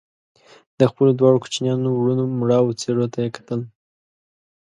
د خپلو دواړو کوچنيانو وروڼو مړاوو څېرو ته يې کتل